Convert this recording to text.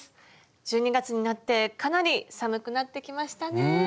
１２月になってかなり寒くなってきましたね。